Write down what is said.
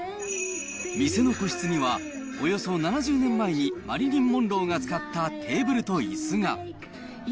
店の個室には、およそ７０年前にマリリン・モンローが使ったテーブルといすが。